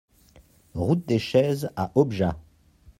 Route des Chezes à Objat